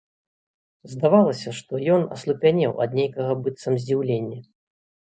Здавалася, што ён аслупянеў ад нейкага быццам здзіўлення.